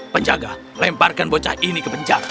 penjaga lemparkan bocah ini ke penjara